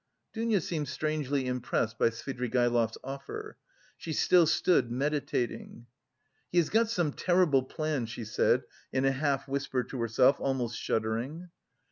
Dounia seemed strangely impressed by Svidrigaïlov's offer. She still stood meditating. "He has got some terrible plan," she said in a half whisper to herself, almost shuddering.